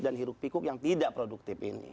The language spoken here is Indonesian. dan hiruk pikuk yang tidak produktif ini